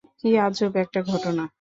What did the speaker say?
কী আজব একটা ঘটনা!